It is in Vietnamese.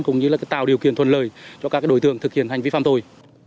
cũng như là cái tạo điều kiện thuận lời cho các đối tượng thực hiện hành vi phạm tội